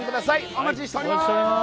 お待ちしております